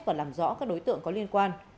và làm rõ các đối tượng có liên quan